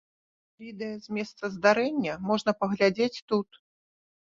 Відэа з месца здарэння можна паглядзець тут.